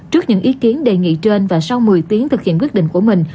trước những ý kiến đề nghị trên và sau một mươi tiếng thực hiện quyết định của mình